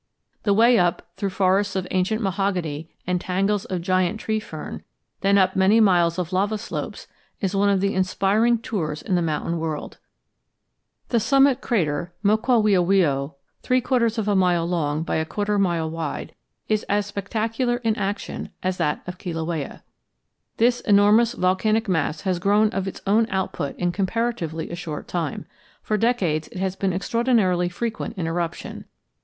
The way up, through forests of ancient mahogany and tangles of giant tree fern, then up many miles of lava slopes, is one of the inspiring tours in the mountain world. The summit crater, Mokuaweoweo, three quarters of a mile long by a quarter mile wide, is as spectacular in action as that of Kilauea. This enormous volcanic mass has grown of its own output in comparatively a short time. For many decades it has been extraordinarily frequent in eruption.